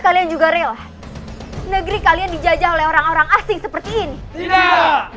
kalian juga real negeri kalian dijajah oleh orang orang asing seperti ini yuk